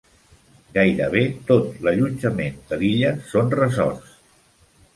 Gairebé tot l'allotjament de l'illa són resorts.